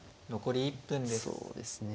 残り１分です。